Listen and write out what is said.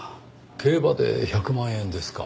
競馬で１００万円ですか？